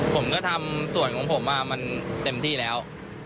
ผมก็ทำส่วนของผมมันเต็มที่แล้ว